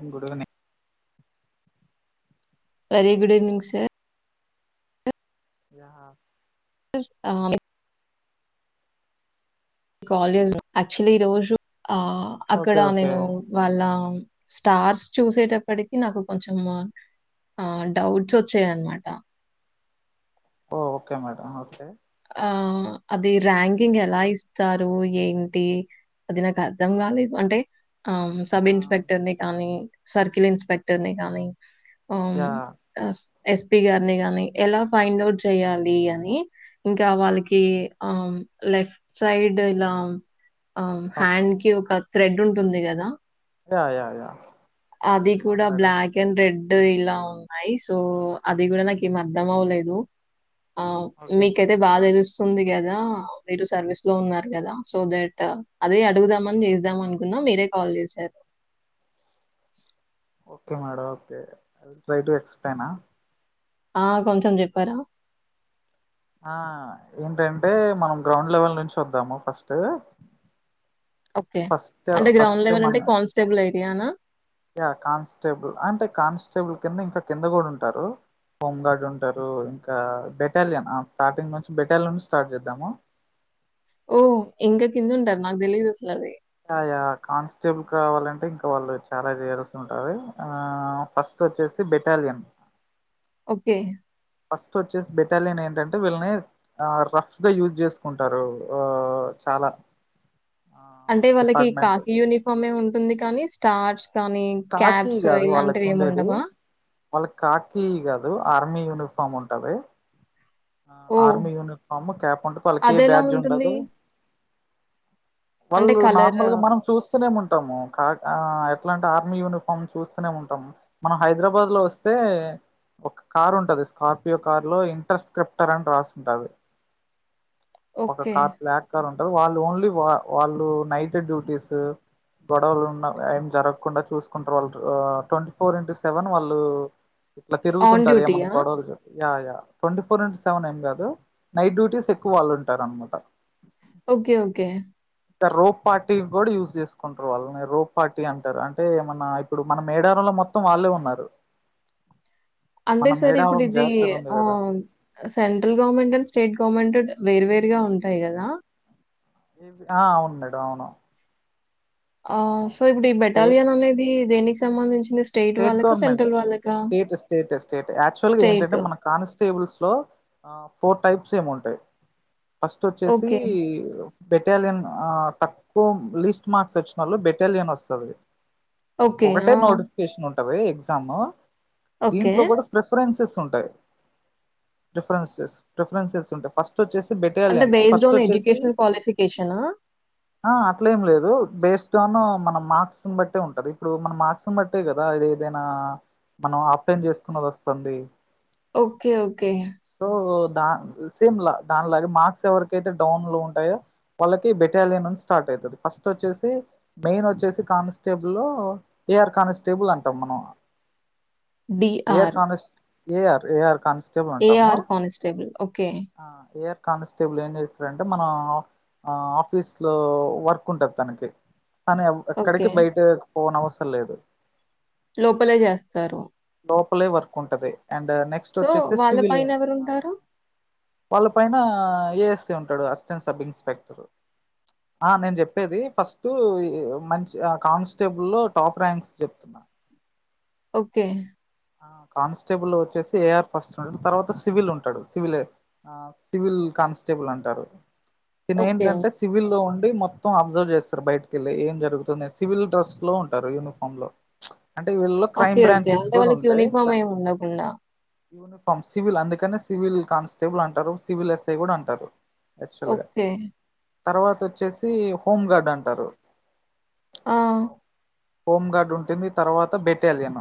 ఇంగోటి గని very good evening sir. Yeah ఆహ లే కాలేజ్ ను యాక్చువలీ ఈరోజు ఆ అక్కడ ఓకే ఓకే నేను వాళ్ళ స్టార్స్ చూసేటప్పటికి నాకు కొంచెము డౌట్స్ వచ్చాయన్నమాట ఓ, ఓకే మేడం, ఓకే. ఆ, అది ర్యాంకింగ్ ఎలా ఇస్తారు? ఏంటి? అది నాకు అర్థం కాలేదు, అంటే ఆ, సబ్ ఆ ఇన్స్పెక్టర్ ని కానీ? సర్కిల్ ఇన్స్పెక్టర్ ని కానీ? ఆ యా ఎస్పి గారిని గాని, ఎలా ఫైండ్ అవుట్ చెయాలి అని? ఇంకా, వాళ్ళకి ఆ లైఫ్ సైడ్ ఇలా ఆ, హ్యాండ్ కి ఒక థ్రెడ్ ఉంటుంది కదా? Yeah, yeah, yeah. అది అవును కూడా మేడం బ్లాక్ అండ్ రెడ్. డు ఇలా ఉన్నాయి సో, అది కూడ నాకేం అర్ధం అవలేదు. ఆ, ఓకే మీకైతే మేడం బా తెలుస్ తుంది కదా, మీరు సర్వీస్ లో ఉన్నారు కదా, సో దట్ అదే అడుగుదామని చేస్దామనుకున్న మీరే కాల్ చేశారు. [inaudible] Okay madam okay. A try to explain అహ్? ఆ కొంచెం చెప్పారా? ఆ, ఏంటంటే మనం గ్రౌండ్ లెవెల్ నుంచి వద్దాము ఫస్ట్. ఓకే. ఫస్ట్ అంటే గ్రౌండ్ ఫస్ట్ లెవల్ అంటే, మన కాన్స్టేబుల్ అయి యా నా? యా కాన్స్టేబుల్, అంటే కానిస్టేబుల్ కింద ఇంకా కింద కూడా ఉంటారు. హోంగార్డ్ ఉంటారు, ఇంకా బెటాలియన్, ఆ స్టార్టింగ్ నుంచి బెటాలియన్ స్టార్ట్ చేద్దాము. ఓ, ఇంక కింద ఉంటార నాకు తెలీదాసల్? ఆ, యా. కానిస్టేబుల్ కావాలంటే ఇంక్ వాళ్ళు చాలా చేయాల్సి ఉంటది. ఆ ఫస్ట్ వచ్చేసి బెటాలియన్ ఓకే. ఫస్ట్ వచ్చేసి బెటాలియన్ ఏంటంటే, వీళ్ళని ఆ రఫ్గా యూజ్ చేసుకుంటారు. ఆ చాలా ఆ అంటే వాళ్ళకి, డిపార్ట్మెంట్ కాకి యూనిఫామే ఉంట్ వుంది కానీ, స్టార్స్ కానీ కాకి క్యాబ్స్ కాదు వాళ్ళకి ఇలాంటివి, ఏమి ఉండేది. ఉండవా? వాళ్ళకి కాకిీ కాదు, ఆర్మీ యూనిఫార్మ్ ఉంటది. ఆ, ఓహ్! ఆర్మీ యూనిఫామ్ క్యాప్ ఉంటది, వాళ్ళకి ఏ అదెలా బ్యాడ్జ్ ఉంటుంది? ఉండదు. అంటే వాళ్ళు కలర్ నార్మల్గా మనం చూస్తూనే ఉంట్ ము కా ఆ ఎట్లా అంటే ఆర్మీ యూనిఫార్మ్ చూస్తనే ఉంటాం. మన హైదరాబాద్ లో వస్తే, ఒక కార్ ఉంటది, స్కార్పియో కార్ లో ఇంటర్ స్క్రిప్టర్ అని రాస్తుంటది. ఒక ఓకే. కార్, బ్లాక్ కార్ ఉన్ టరు. వాళ్ళు ఓన్లీ వాళ్ళు నైట్ డ్యూటీస్, గొడవలు ఉన్న, ఏ జరగ్ కుండా చూసుకుంటరు వాళ్ళు. ఆ ట్వంటీ ఫోర్ ఇంటూ సెవెన్ వాళ్ళు ఇట్ల ఆన్ తిరుగుతుంటారు, ఏమైన్నా డ్యూటీయా? గొడవలు జర్ yeah yeah, twenty four into seven ఏం కాదు. నైట్ డ్యూటీస్ ఎక్కువ వాళ్ళు ఉంటారు అన్నమాట. ఓకే ఓకే ఇ రోప్ పార్టీ కూడా యూజ్ చేసుకుంటరు వాళ్ళని రో పార్టీ అంటారు అట అంటే మన ఇప్పుడు మన మేడారంలో మొత్తం వాళ్ళే ఉన్నారు అంటే మన సార్ ఇప్పుడు మేడారం ఇది జాతర ఉంది ఆ కదా సెంట్రల్ గవర్నమెంట్ అండ్ స్టేట్ గవర్నమెంట్డ్ వేర్ వేరుగా ఉంటాయి కదా ఇవి ఆ అవును మేడం అవును ఆ అవును సో ఇప్పుడు ఈ స్టేట్ బెటాలియన్ అనేది దేనికి సంబంధించి state government state state state actual గా ఏంటంటే స్టేట్. మన కానిస్టేబుల్స్ లో ఆ ఫోర్ టైప్స్ ఏమో ఉంటాయి ఫస్ట్ వచ్చేసి ఓకే. బెటాలియన్ ఆ తక్కువ లీస్ట్ మార్క్స్ వచ్చిన వాళ్ళు బెటాలియన్ వస్తది ఓకే ఆ ఉంటది ఎక్జామ్ ఓకే. దీంట్లో కూడా ప్రిఫరెన్సెస్ ఉంటాయి ప్రిఫరెన్సెస్ ప్రిఫరెన్సెస్ ఉంటాయి ఫస్ట్ ఫట్ వచ్చేసి అంటే బెటాలియన్ బేస్డ్ ఫస్ట్ ఆన్ వచ్చేసి ఎడ్యుకేషనల్ క్వాలిఫికేషనా? ఆ అట్లా ఏం లేదు బేస్ట్ మన మార్క్స్ ను బట్టి ఉంటది ఇప్పుడు మన మార్క్స్ ను బట్టి అంతే కదా ఇది ఏదైనా మనం అప్లై చేసుకున్నది వస్తుంది. ఓకే ఓకే సో దా సేమ్ లా దాని లాగే మార్క్స్ ఎవరికైతే డౌన్ లో ఉంటాయో వాళ్ళకి బెటాలియన్ నుండి స్టార్ట్ అయితది ఫస్ట్ వచ్చేసి మెయిన్ వచ్చేసి కానిస్టేబుల్లో ఏ ఆర్ కానిస్ టేబుల్ అంటాం మనం D. R A. R, A. R A. R constable okay ఆ ఏఆర్ కానిస్టేబుల్ ఏం చేస్తారంటే మనం ఆఫీస్ లో వర్క్ ఉంటది తనకి తను ఓకే. ఎక్కడికి బయటెక్ పోను అవసరం లేదు లోపలే చేస్తారు లోపలే వర్క్ ఉంటది. అండ్ నెక్స్ట్ వచ్చేసి వాళ్ళ సివిలియన్ పైనెవరుంటారు? వాళ్ళ పైన ఎస్ డు అస్టెంట్ సబ్ ఇన్స్పెక్టర్ నేను చెప్పేది ఫస్ట్ మంచి కాస్టేబుల్ లో టాప్ ర్యాంక్ తున్నా ఓకే ఆ కానిస్టేబుల్ వచ్చేసి ఏ. ఆర్ ఫస్ట్ ఉంటడు. తర్వాత సివిల్ ఉంటాడు సివిల్ సివిల్ కానిస్టేబుల్ అంటారు. ఓకే. తినేంటంటే సివిల్ లోన్ ఇది మొత్తం అబ్జర్వ్ చేస్తారు బయటకెళ్ళి ఏం జరుగుతుంది సివిల్ డ్రెస్ లో ఉంటారు యూనిఫామ్ లో అంటే వీళ్ళలో క్రైమ్ బ్రాంచెస్ కూడా ఉ సమయం ఉండకుండా యూనిఫామ్ సివిల్ అందుకనే సివిల్ కానిస్టేబుల్ అంటారు. సివిల్ ఎస్ఐ కూడా అంటారు. యాక్చువల్ గా ఒక్కే తర్వాత వచ్చేసి హోంగార్డ్ అంటారు. ఆ హోంగార్డ్ ఉంటుంది. తర్వాత బెటాలియన్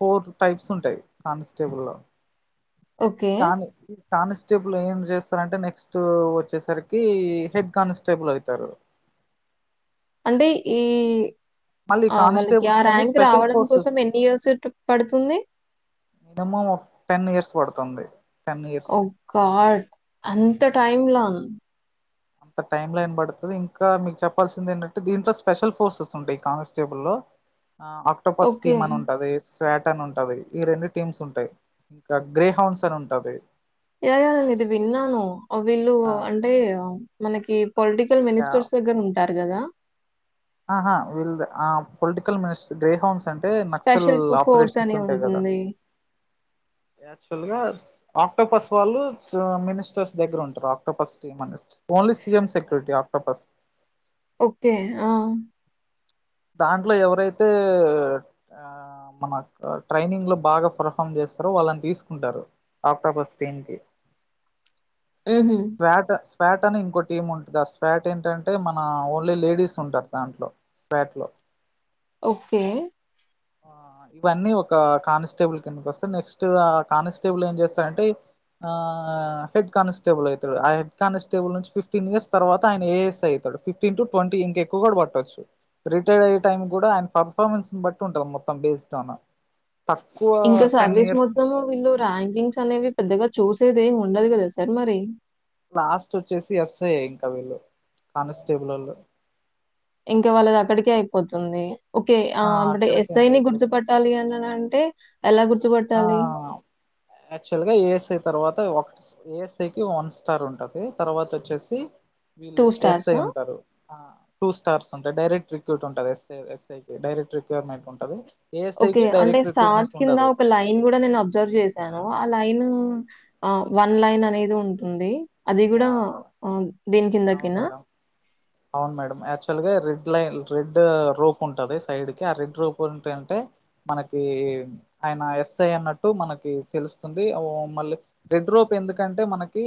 పోర్ట్ టైప్స్ ఉంటాయి. కానిస్టేబుల్ లో ఈ ఓకే. కానీ కానిస్టేబుల్ ఏం చేస్తారంటే నెక్స్ట్ వచ్చేసరికి హెడ్ కానిస్టేబుల్ అయితారు. అంటే ఈ మళ్ళీ ఆ వాళ్ళకి ఆ కానిస్టేబుల్స్ లోని ర్యాంక్ స్పెషల్ రావడం కోసం ఫోర్సెస్ ఎన్ని ఇయర్స్ పడుతుంది. మినిమం ఒక టెన్ ఇయర్స్ పడుతుంది. టెన్ ఇయర్స్ ఓ గాడ్ అం అంత టైంలాన్ అంత టైం లైన్ పడతది ఇంకా మీకు చెప్పాల్సింది ఏంటంటే దీంట్లో స్పెషల్ ఫోర్సెస్ ఉంటాయి. కానిస్టేబుల్ లో అక్టోపస్ ఓకే. టీమ్ అని ఉంటది స్ పార్టెన్ ఉంటది ఈ రెండు టీమ్స్ ఉంటాయి. ఇంకా గ్రే హౌన్స్ అని ఉంటది. యాయా ఇది విన్నాను. వీళ్ళు ఆ అంటే మనకి పొలిటికల్ మినిస్టర్స్ దగ్గర ఉం [inaudible] సరి కదా హహ వీల్ ఆ పొలిటికల్ మినిస్టర్ గ్రే హౌన్స్ అంటే నక్సల్ స్పెషల్ ప్ ఫోర్స్ ఆపరేషన్స్ అని ఉంటాయి కదా ఉంటుంది. యాక్చువల్ గా ఆక్టోపస్ వాళ్ళు మినిస్టర్స్ దగ్గర ఉంటారు. Octopus team only CM security Octopus okay ఆ దాంట్లో ఎవరైతే ఆ మన ట్రైనింగ్ లో బాగా పర్ఫామ్ చేస్తారో వాళ్ళని తీసుకుంటారు ఆక్టోపస్ టీమ్ కి హుహు. స్టేటస్ ఫ్యాట్ అని ఇంకో టీమ్ ఉంటుంది ఆ స్వాట్ ఏంటంటే మన ఓన్లీ లేడీస్ ఉంటారు దాంట్లో ఫ్యాట్ లో ఓకే ఇవన్నీ ఒక కానిస్టేబుల్ కిందక వస్తాయి నెక్స్ట్ ఆ కానిస్టేబుల్ ఏం చేస్తారంటే ఆ హెడ్ కానిస్టేబుల్ అయితాడు. ఆ హెడ్ కానిస్టేబుల్ నుంచి ఫిఫ్టీన్ ఇయర్స్ తర్వాత ఆయన ఏ ఎస్ ఐ అవుతాడు. ఫిఫ్టీన్ టు ట్వంటీ ఇంకెక్కువ కూడా పట్టొచ్చు. రిటైర్ అయ్యే టైం కూడా ఆయన పర్ఫార్మెన్స్ బట్టి ఉంటద మొత్తం బేస్ స్థాన ఇంకా సర్వీస్ మొత్తము వీళ్ళు ర్యాంకింగ్స్ అనేవి పెద్దగా చూసేది అదేం ఉండదు కదా సార్ మరి లాస్ట్ వచ్చేసి ఎస్ఐ ఇంకా వీళ్ళు కానిస్టేబుల్ లోళ్ళు ఇంకా వాళ్ళది అక్కడికే అయిపోతుంది ఓకే ఆ అప్పుడే అక్కడికి ఎండ్ ఎస్ఐని అయిపోతుంది గుర్తుపట్టాలి అని అన్ టే ఎలా గుర్తుపట్టాలి యాక్చువల్ గా ఏ ఎస్ ఐ తర్వాత ఒకటి ఏ ఎస్ ఐ కి వన్ స్టార్ ఉంటది తర్వాత వచ్చేసి వీళ్ళు ఎస్ఐ స్టార్సా? ఉంటారు ఆ టూ స్టార్స్ ఉంటాయి డైరెక్ట్ రిక్రూట్ ఉంటది ఎస్ ఎస్ఐకి డైరెక్ట్ రిక్వైర్మెంట్స్ ఉంటది ఓకే ఏఎస్ఐకి అంటే డైరెక్ట్ స్టార్స్ రిక్రూట్మెంట్ కింద ఉండదు ఒక లైన్ లైన్ కూడా నేను అబ్జర్వ్ చేశాను ఆ లైన్ వన్ లైన్ అనేది ఉంటుంది అది గూడా యా ఆహ్, దీని అవును కిందకేనా? మేడం అవును మేడం యాక్చువల్గా రెడ్ లైన్ రెడ్ రోప్ ఉంటది సైడ్కి ఆ రెడ్ రోప్ ఉంటంటే మనకి ఆయన ఎస్ఐ అన్నట్టు మనకి తెలుస్తుంది మళ్ళీ రెడ్ రోప్ ఎందుకంటే మనకి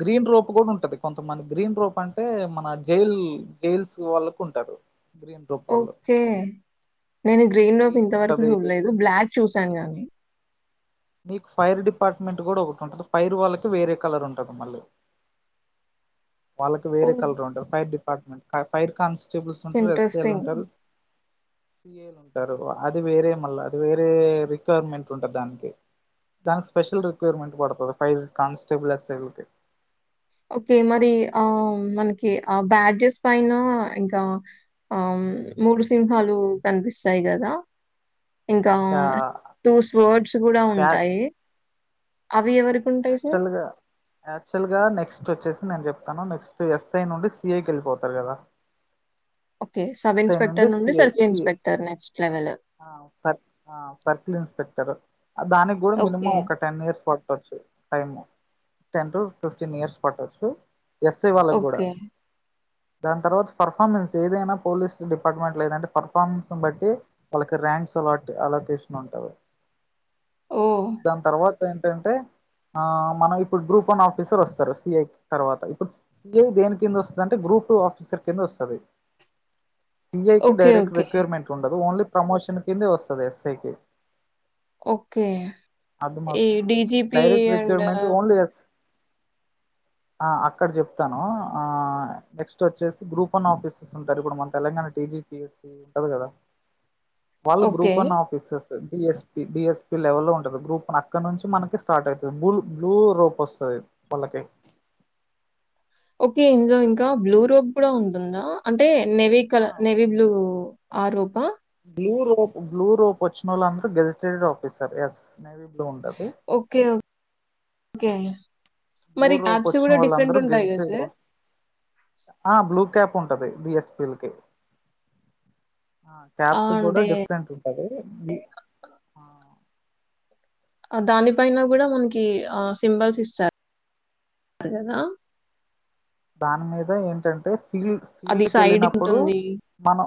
గ్రీన్ రోప్ కూడా ఉంటది కొంతమంది గ్రీన్ రోప్ అంటే మన జైల్ జైల్స్ వాళ్ళకు ఉంటారు గ్రీన్ రోప్ వాళ్ళు ఓకే నేను గ్రీన్ లోపు ఇంతవరకు చూడలేదు బ్లాక్ చూసాను గానీ మీకు ఫైర్ డిపార్ట్మెంట్ కూడా ఒకటి ఉంటుంది ఫైర్ వాళ్ళకి వేరే కలర్ ఉంటది మళ్ళీ వాళ్ళకి వేరే ఓహ్! కలర్ ఉంటుంది fire department fire constables ఇట్స్ ఉంటరు ఎస్సెలు ఇంట్రెస్టింగ్. ఉంటారు సిఏలు ఉంటారు అది వేరే మళ్ళా అది వేరే రిక్వైర్మెంట్ ఉంటంది దానికి దానికి స్పెషల్ రిక్వైర్మెంట్ పడుతది ఫైర్ కన్స్టబిల్స్ ఎస్ ఐ లు తే ఓకే మరి ఆ మనకి ఆ బ్యాడ్జెస్ పైన ఇంకా ఆ మూడు సింహాలు కనిపిస్తాయి కదా ఇంకా టూస్ వర్డ్స్ కూడా ఉంటాయి అవి అవును ఎవరికుంటాయి సార్? యాక్చువల్ గా యాక్చువల్ గా నెక్స్ట్ నెక్ట్ వచ్చేసి నేను చెప్తాను నెక్స్ట్ ఎస్ఐ నుండి సిఐకి వెళ్ళిపోతారు కదా ఓకే. సబ్ ఎస్ఐ నుండి inspector CI circle CI inspector next level. ఆ సర్కిల్ ఆ సర్కిల్ ఇన్స్పెక్టర్ దానికి కూడా మినిమం ఓకే. ఒక టెన్ ఇయర్స్ పడు పట్టొచ్చు time ten to fifteen years పట్టొచ్చు ఎస్ఐ వాళ్ళకు గూడా ఓకే. దాని తర్వాత పర్ఫార్మెన్స్ ఏదైనా పోలీస్ డిపార్ట్మెంట్ లో ఏదంటే పర్ఫార్మెన్స్ ను బట్టి వాళ్ళకి ర్యాంక్స్ అలట్ అలకేషన్ ఉంటది ఓహ్! దాని తర్వా ంటా అంటే ఆ మనం ఇప్పుడు గ్రూప్ వన్ ఆఫీసర్ వస్తారు సిఐ తర్వాత ఇప్పుడు సిఐ దేని కింద వస్తుంది అంటే గ్రూప్ టూ ఆఫీసర్ కింద వస్తది సిఐకి ఓకే. Direct okay. రిక్వైర్మెంట్ ఉండదు ఓన్లీ ప్రమోషన్ కిందే వస్తది ఎస్ఐకి ఓకే ఈ అర్థమవుతుందా DG direct recruitment only yes ఆ అక్కడ చెప్తాను ఆ నెక్స్ట్ వచ్చేసి గ్రూప్ వన్ ఆఫీసెస్ ఉంటారు. ఇప్పుడు మన తెలంగాణ టీజిపిఎస్ ఉంటది కదా. వాళ్లు okay. Group one offices D. Yes. P, D. Yes. P level లో ఉంటది గ్రూప్ అక్కడ నుంచి మనకి స్టార్ట్ అయితుంది బ్లూ బ్లూ రోప్ వస్తాది వాళ్ళకి ఓకే ఇందులో ఇంకా బ్లూరోప్ కూడా ఉంటుందా అంటే నేవి ఆ కలర్ నేవి బ్లూ ఆ rope blue rope blue rope వచ్చిన వాళ్ళు అంత gazetted officer yes navy blue ఉంటాది. ఒకే బ్లూ రోపూ వచ్చిన వాళ్ళు అందరు గదా gazetted sir. Officer blue cap ఉంటాది డీఎస్పీ లకి ఆ! క్యాప్స్ కూడా అంటే డిఫరెంట్ ఉంటాది. దానిపైన కూడా మనకి ఆ సింబల్స్ ఇస్తారు కదా దాని మీద ఏంటంటే ఫీల్ అది ఫీల్డ్కి వెళ్ళినప్పుడు సైడ్‌కుంటుంది. మనం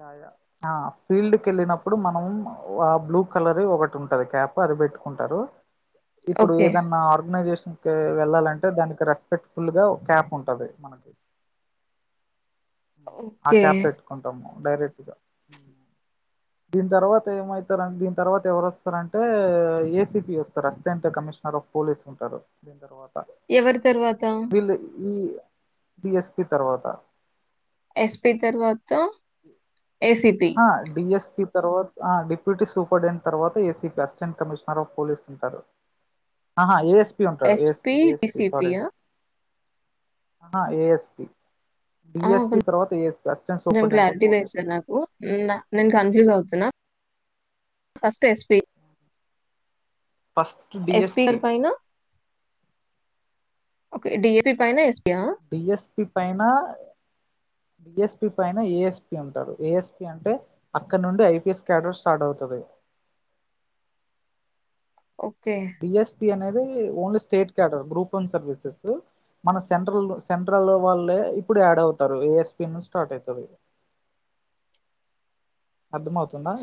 య య ఆ ఫీల్డ్కి వెళ్ళినప్పుడు మనం ఆ బ్లూకలర్ ఒకటి ఉంటది క్యాప్ అది పెట్టుకుంటారు. ఇప్పుడు ఓకే. ఏదన్నా ఆర్గనైజేషన్ వెళ్ళాలంటే దానికి రెస్పెక్ట్ ఫుల్ గా ఓ క్యాప్ ఉంటది మనకి ఆ ఓకే. క్యాప్ పెట్టుకుంటాము. డైరెక్ట గా దీని తర్వాత ఏమైతారు దీని తర్వాత ఎవరు వస్తారంటే, ఏసిపి వస్తారు. అసిస్టెంట్ కమిషనర్ ఆఫ్ పోలీస్ ఉంటారు. దీని తర్వాత ఎవరి తర్వాత వీళ్ళు ఈ పిఎస్పీ తర్వాత ఎస్పీ తర్వాత ఏసీపీ. హ హా డి. ఎస్. పి తర్వాత అ డిప్యూటీ సూపర్ండెంట్ తర్వాత ACP assistant commissioner of police ఉంటారు అహ ఏస్ SP D C P yeah ఆ ఏ ఎస్పీ డి. ఆ! ఎస్. పి తర్వాత ఏఎస్పి అసిస్టెంట్ కొంచెం సూపర్టెండెంట్ఫ్ క్లారిటీ లేదు పోలీస్ సార్ నాకు. నేను కన్ఫ్యూజ్ అవుతున్నా ఫస్ట్ ఎస్పీ ఫస్ట్ ఎస్పి. ర్ డిఎస్పి పైన okay D. A. P. P పైనా ఎస్పియా డి. ఎస్పి పైన డి. ఎస్పి పైన ఏ. ఎస్పి ఉంటారు ఏ. ఎస్పి అంటే అక్కడ నుండి I. P. S cadre start అవుతుంది. ఓకే. డిఎస్పి అనేది only state cadre group one services మన సెంట్రల్ సెంట్రల్ వాళ్ళ ఇప్పుడు యాడ్ అవుతారు ఏ ఎస్పి స్టార్ట్ ఐతది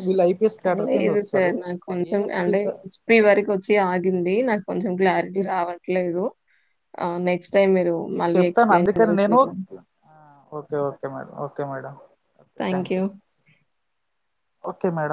వీళ్ళు ఐపీఎస్ క్యాడర్ కింద లేదు వస్తారు సార్ నాకు కొంచెం ఏఎస్పీ అంటే ఎస్పి వరకు వచ్చి ఆగింది నాకు కొంచెం క్లారి ఇది రావట్లేదు ఆ నెక్స్ట్ టైమ్ మీరు మీకు మళ్ళీ చెప్తాను ఎక్స్‌ప్లెయిన్ అందుకని నేను చేస్తుర్రు. Okay okay madam okay madam okay thank you okay madam